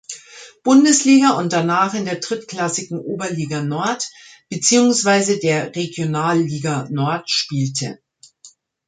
Bundesliga und danach in der drittklassigen Oberliga Nord beziehungsweise der Regionalliga Nord spielte.